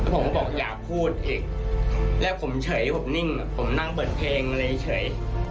ผมบอกอย่าพูดอีกแล้วผมเฉยผมนิ่งผมนั่งเปิดเพลงอะไรเฉย